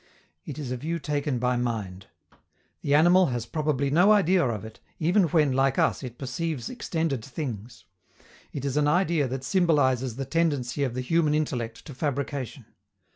It is a view taken by mind. The animal has probably no idea of it, even when, like us, it perceives extended things. It is an idea that symbolizes the tendency of the human intellect to fabrication.